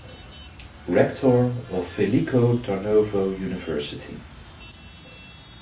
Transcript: Rector of Veliko Tarnovo University.